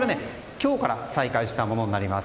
今日から再開したものになります。